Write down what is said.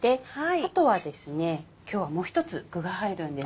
あとはですね今日はもう１つ具が入るんです。